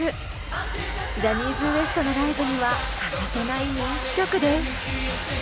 ジャニーズＷＥＳＴのライブには欠かせない人気曲です。